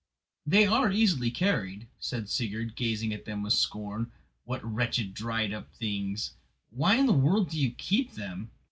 "They are easily carried," said Sigurd, gazing at them with scorn; "what wretched dried up things! Why in the world do you keep them?"